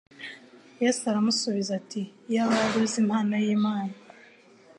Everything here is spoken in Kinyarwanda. Yesu aramusubiza ati, “Iyaba wari uzi impano y’Imana,